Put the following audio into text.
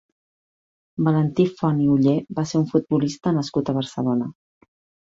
Valentí Font i Oller va ser un futbolista nascut a Barcelona.